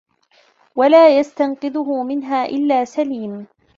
وَلَا يَسْتَنْقِذُهُ مِنْهَا إلَّا سَلِيمٌ